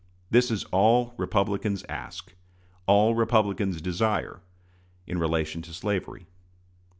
This is all Republicans ask all Republicans desire in relation to slavery.